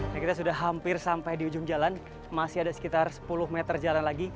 nah kita sudah hampir sampai di ujung jalan masih ada sekitar sepuluh meter jalan lagi